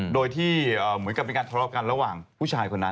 โดยที่เหมือนกับเป็นการทะเลาะกันระหว่างผู้ชายคนนั้น